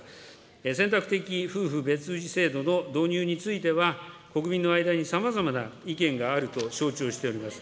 選択的夫婦別氏制度の導入については、国民の間にさまざまな意見があると承知をしております。